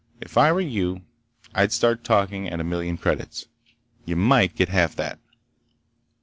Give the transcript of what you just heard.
"If I were you, I'd start talking at a million credits. You might get half that."